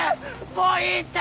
もういいって！